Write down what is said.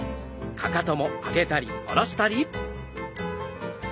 かかとも上げたり下ろしたり。